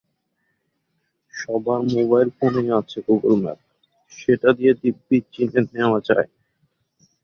সবার মোবাইল ফোনেই আছে গুগল ম্যাপ, সেটা দিয়ে দিব্যি চিনে নেওয়া যায়।